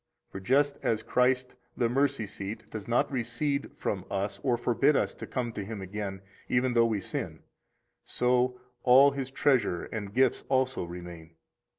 For just as Christ, the Mercy seat, does not recede from us or forbid us to come to Him again, even though we sin, so all His treasure and gifts also remain.